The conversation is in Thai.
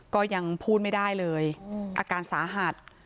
ก็ยังพูดไม่ได้เลยอาการสาหัส